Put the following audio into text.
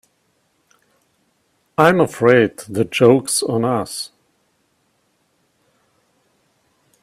I'm afraid the joke's on us.